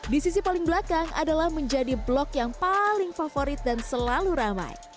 di sisi paling belakang adalah menjadi blok yang paling favorit dan selalu ramai